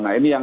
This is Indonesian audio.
nah ini yang